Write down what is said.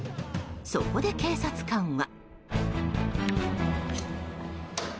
そこで警察官は。